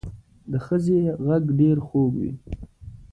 د ښځې غږ ډېر خوږ وي